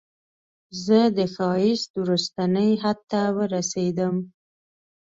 زه د ښایست وروستني حد ته ورسیدم